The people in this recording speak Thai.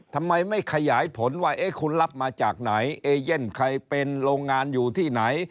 ทำไมไม่ขยายผลว่าคุณรับมาจากไหนเอเย่นใครเป็นโรงงานอยู่ที่ไหน